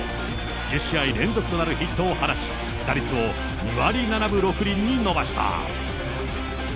１０試合連続となるヒットを放ち、打率を２割７分６厘に伸ばした。